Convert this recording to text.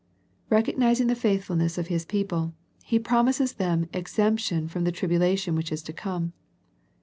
Recognizing the faithfulness of His people, He promises them exemption from the tribulation which is to come.